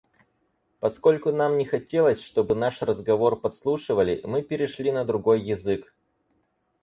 Поскольку нам не хотелось, чтобы наш разговор подслушивали, мы перешли на другой язык.